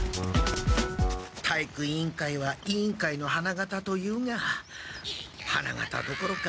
体育委員会は委員会の花形というが花形どころか